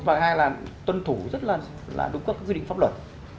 và hai là tuân thủ rất là đúng các quy định pháp luật